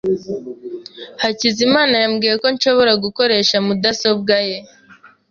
Hakizimana yambwiye ko nshobora gukoresha mudasobwa ye.